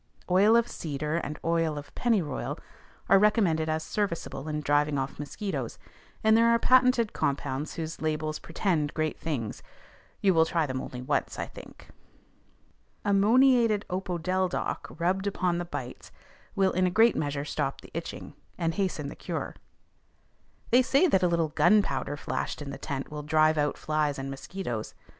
Oil of cedar and oil of pennyroyal are recommended as serviceable in driving off mosquitoes, and there are patented compounds whose labels pretend great things: you will try them only once, I think. Ammoniated opodeldoc rubbed upon the bites will in a great measure stop the itching, and hasten the cure. They say that a little gunpowder flashed in the tent will drive out flies and mosquitoes.